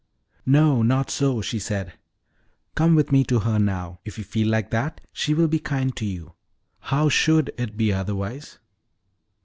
"No, not so," she said. "Come with me to her now: if you feel like that, she will be kind to you how should it be otherwise?"